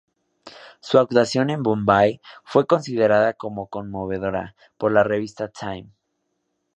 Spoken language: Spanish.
Su actuación en "Bombay" fue considerada como "conmovedora" por la revista "Time".